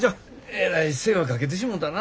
えらい世話かけてしもたな。